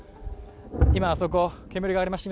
今あそこ、煙が上がりました。